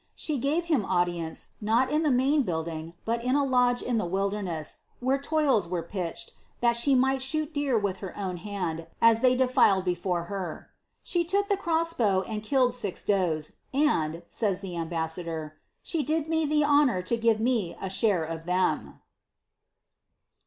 She five him audience, not in the main building, but in a lodge in the wil* (iemess, where toils were pitched, that she might shoot deer with her own hand, as they defiled before her. ^^ She took the cross bow and killed six does ; and,'' says the ambassador, ^ she did me the honour to give me a share of them."